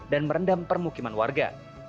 dan merendam permukiman warga